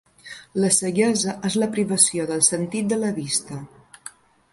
La ceguesa és la privació del sentit de la vista.